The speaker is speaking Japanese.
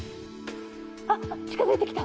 あ、近づいてきた！